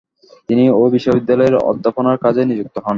তিনি ঐ বিশ্ববিদ্যালয়ের অধ্যাপনার কাজে নিযুক্ত হন।